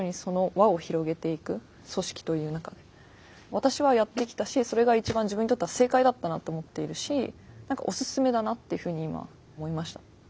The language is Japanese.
私はやってきたしそれが一番自分にとっては正解だったなと思っているし何かお勧めだなっていうふうに今思いました。